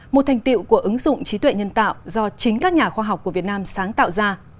một thành tiệu của ứng dụng trí tuệ nhân tạo do chính các nhà khoa học của việt nam sáng tạo ra